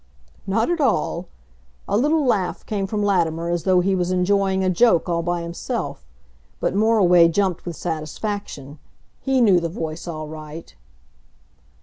"Not at all." A little laugh came from Latimer as though he was enjoying a joke all by himself. But Moriway jumped with satisfaction. He knew the voice all right.